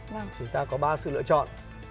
chúng ta có ba sự lựa chọn